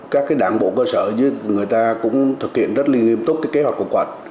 các đảng bộ cơ sở người ta cũng thực hiện rất liên liên tốt kế hoạch của quận